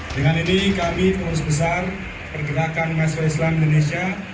dengan ini kami pengurus besar pergerakan masyarakat islam indonesia